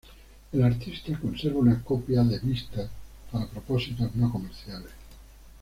El artista conserva una copia de vista para propósitos no comerciales.